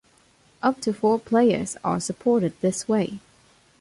Up to four players are supported this way.